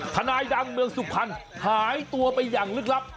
นายดังเมืองสุพรรณหายตัวไปอย่างลึกลับ